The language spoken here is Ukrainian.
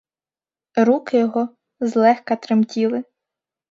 Руки його злегка тремтіли.